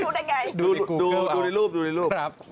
แล้วดูได้ไงดูในรูป